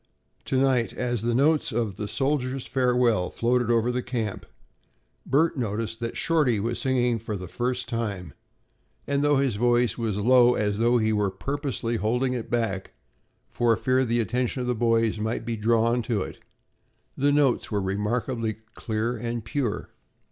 To night, as the notes of "The Soldier's Farewell" floated over the camp, Bert noticed that Shorty was singing for the first time, and though his voice was low as though he were purposely holding it back, for fear the attention of the boys might be drawn to it, the notes were remarkably clear and pure.